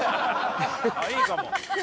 あっいいかも。